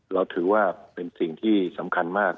เราถือว่าเป็นสิ่งที่สำคัญมาก